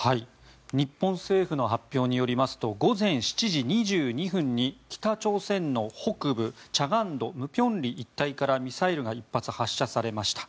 日本政府の発表によりますと午前７時２２分に北朝鮮の北部慈江道舞坪里一帯からミサイル１発が発射されました。